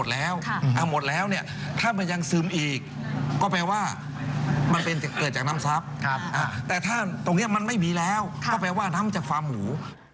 แล้วก็แปลว่าน้ำจากฟาร์มหมู